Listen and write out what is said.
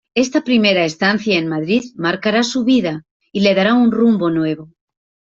Esta primera estancia en Madrid marcará su vida y le dará un rumbo nuevo.